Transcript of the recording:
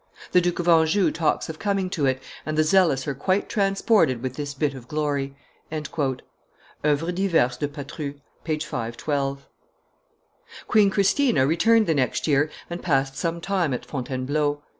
The Duke of Anjou talks of coming to it, and the zealous are quite transported with this bit of glory." [OEuvres diverses de Patru, t. ii. p. 512.] Queen Christina returned the next year and passed some time at Fontainebleau.